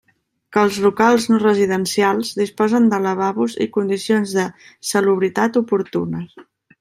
Que els locals no residencials disposen de lavabos i condicions de salubritat oportunes.